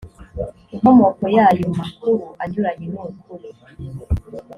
inkomoko y ayo makuru anyuranye n ukuri